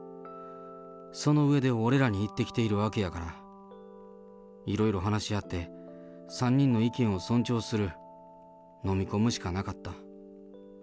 その上で俺らに言ってきているわけやから、いろいろ話し合って、３人の意見を尊重する、飲み込むしかなかった。